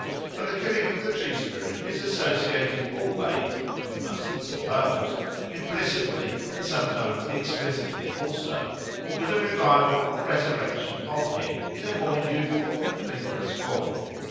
For the killing of the tree spirit is associated always (we must suppose) implicitly, and sometimes explicitly also, with a revival or resurrection of him in a more youthful and vigorous form.